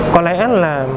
có lẽ là